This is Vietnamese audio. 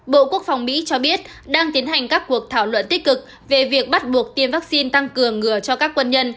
bộ quốc phòng mỹ cho biết đang tiến hành các cuộc thảo luận tích cực về việc bắt buộc tiêm vaccine tăng cường ngừa cho các quân nhân